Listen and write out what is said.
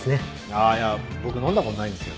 あーいや僕飲んだことないんですよ。